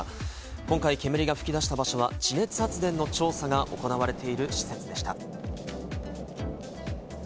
今回、煙が噴き出した場所は地熱発電の調査が行われている施設でした。